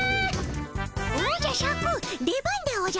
おじゃシャク出番でおじゃる。